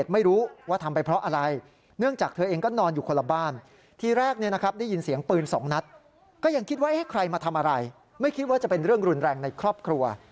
มาทำอะไรไม่คิดว่าจะเป็นเรื่องรุนแรงในครอบครัว